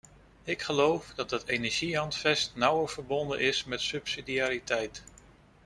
Ik geloof dat het energiehandvest nauwer verbonden is met subsidiariteit.